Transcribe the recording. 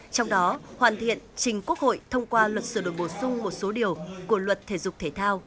trong đó hoàn thiện trình quốc hội thông qua luật sửa đổi bổ sung một số điều của luật thể dục thể thao